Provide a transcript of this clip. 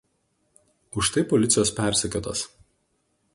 Už tai policijos persekiotas.